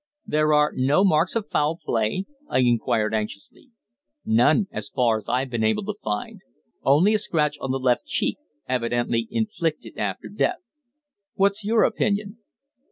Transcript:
"There are no marks of foul play?" I inquired anxiously. "None, as far as I've been able to find only a scratch on the left cheek, evidently inflicted after death." "What's your opinion?"